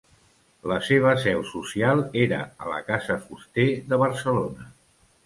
La seva seu social era a la Casa Fuster de Barcelona.